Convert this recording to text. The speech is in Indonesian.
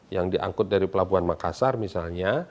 yang diangkut dari pelabuhan makassar misalnya